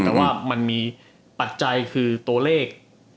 แต่ว่ามันมีปัจจัยคือตัวเลข